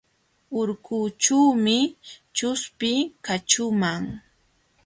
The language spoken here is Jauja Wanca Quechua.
Urkuućhuumi chuspi kaćhuuman.